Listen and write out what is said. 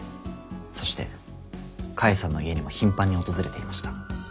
そして菓恵さんの家にも頻繁に訪れていました。